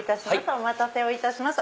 お待たせをいたしました。